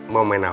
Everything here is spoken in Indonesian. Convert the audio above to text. mau main apa